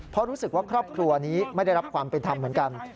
เพราะรู้สึกว่าครอบครัวนี้ไม่ได้รับความเป็นธรรมเหมือนกัน